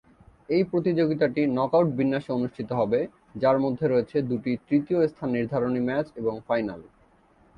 এই প্রতিযোগিতাটি নকআউট বিন্যাসে অনুষ্ঠিত হবে, যার মধ্যে রয়েছে দুটি তৃতীয় স্থান নির্ধারণী ম্যাচ এবং ফাইনাল।